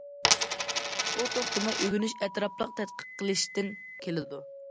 ئۇ توختىماي ئۆگىنىش، ئەتراپلىق تەتقىق قىلىشتىن كېلىدۇ.